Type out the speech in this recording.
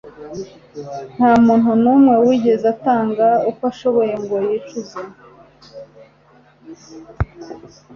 Nta muntu n'umwe wigeze atanga uko ashoboye ngo yicuze.